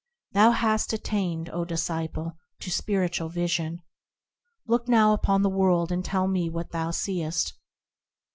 Thou hast attained, O disciple, to spiritual vision ; Look now upon the world and tell me what thou seest.